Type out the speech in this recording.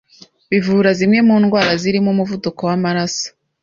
bivura zimwe mu ndwara zirimo umuvuduko w’amaraso